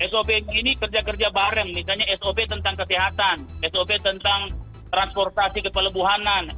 sop ini kerja kerja bareng misalnya sop tentang kesehatan sop tentang transportasi ke pelebuhanan